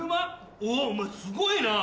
おぉお前すごいなぁ。